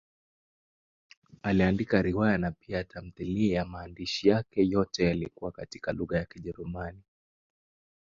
Aliandika riwaya na pia tamthiliya; maandishi yake yote yalikuwa katika lugha ya Kijerumani.